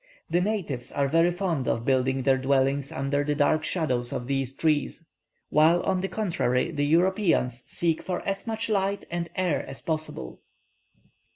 The natives are very fond of building their dwellings under the dark shadows of these trees; while, on the contrary, the Europeans seek for as much light and air as possible.